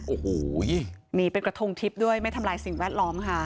โอ้โหนี่เป็นกระทงทิพย์ด้วยไม่ทำลายสิ่งแวดล้อมค่ะ